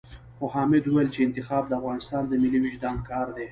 خو حامد ويل چې انتخاب د افغانستان د ملي وُجدان کار دی.